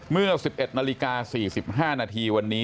เมื่อ๑๑นาฬิกา๔๕นาทีวันนี้